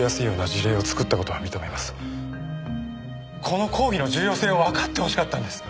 この講義の重要性をわかってほしかったんです。